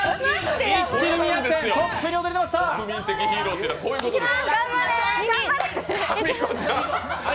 国民的ヒーローというのはこういうことです。